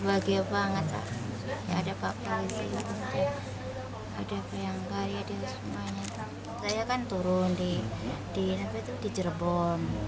ada bayangkariwati semuanya saya kan turun di jerebon